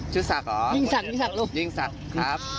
ยิงศักดิ์ยิงศักดิ์ลูกยิงศักดิ์ครับ